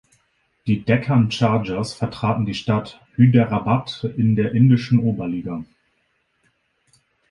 Die Deccan Chargers vertraten die Stadt Hyderabad in der indischen Oberliga.